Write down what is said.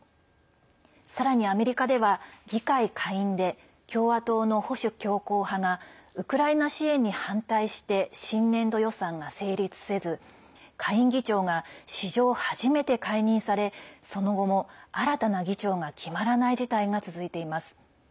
さらにアメリカでは議会下院で共和党の保守強硬派がウクライナ支援に反対して新年度予算が成立せず下院議長が史上初めて解任されその後も新たな議長が決まらない事態が続いています。